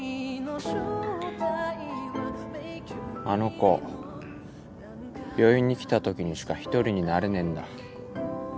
あの子病院に来たときにしか一人になれねえんだ。